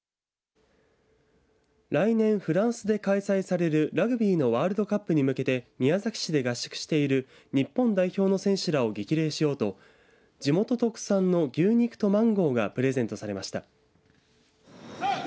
来年フランスで開催されるラグビーのワールドカップに向けて宮崎市で合宿している日本代表の選手らを激励しようと地元特産の牛肉とマンゴーがプレゼントされました。